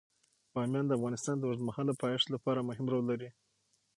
بامیان د افغانستان د اوږدمهاله پایښت لپاره مهم رول لري.